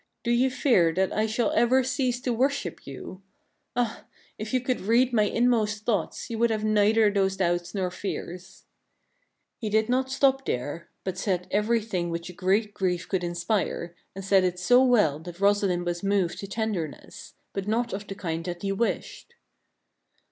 Do you fear that I shall ever cease to worship you ? Ah ! if you could read my inmost thoughts, you would have neither those doubts nor fears." THE FATAL WISH 69 He did not stop there, but said everything which a great grief could inspire, and said it so well that Rosalind was moved to tenderness, but not of the kind that he wished.